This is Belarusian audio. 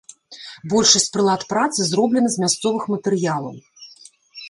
Большасць прылад працы зроблена з мясцовых матэрыялаў.